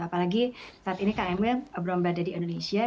apalagi saat ini kak emnya belum berada di indonesia